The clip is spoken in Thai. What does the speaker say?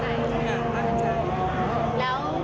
ตอนนี้เป็นครั้งหนึ่งครั้งหนึ่งครั้งหนึ่งครั้งหนึ่งครั้งหนึ่ง